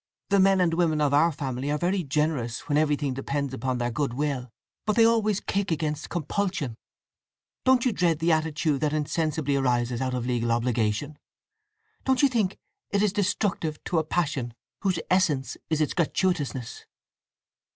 The men and women of our family are very generous when everything depends upon their goodwill, but they always kick against compulsion. Don't you dread the attitude that insensibly arises out of legal obligation? Don't you think it is destructive to a passion whose essence is its gratuitousness?"